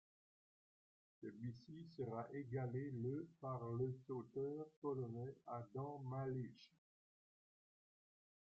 Celui-ci sera égalé le par le sauteur polonais Adam Małysz.